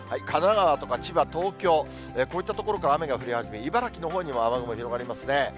神奈川とか千葉、東京、こういった所から雨が降り始めて、茨城のほうにも雨雲広がりますね。